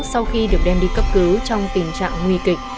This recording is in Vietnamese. sau khi được đem đi cấp cứu trong tình trạng nguy kịch